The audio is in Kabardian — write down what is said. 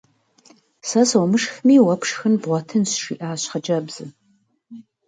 Сэ сумышхми уэ шхын бгъуэтынщ! – жиӀащ хъыджэбзым.